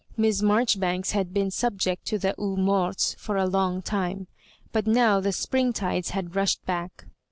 Miss Marjori banks had been subject to the eaux mortes for a long time ; bat now the springtides had rushed back.